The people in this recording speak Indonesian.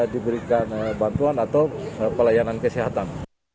diberikan bantuan atau pelayanan kesehatan